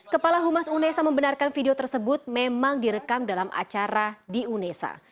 kepala humas unesa membenarkan video tersebut memang direkam dalam acara di unesa